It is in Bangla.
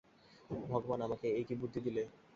ভগবান আমাকে এ কী বুদ্ধি দিলে!